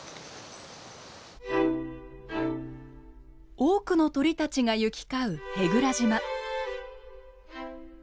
多くの鳥たちが行き交う舳倉島。